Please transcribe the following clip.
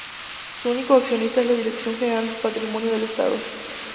Su único accionista es la Dirección General de Patrimonio del Estado.